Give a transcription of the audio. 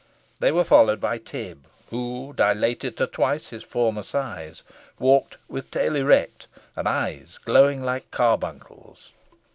They were followed by Tib, who, dilated to twice his former size, walked with tail erect, and eyes glowing like carbuncles.